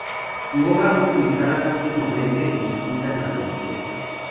Su obra fue publicada póstumamente en distintas antologías.